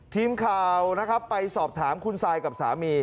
ทีมข่าวนะครับไปสอบถามคุณซายกับสามี